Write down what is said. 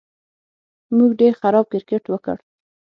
موږ ډېر خراب کرېکټ وکړ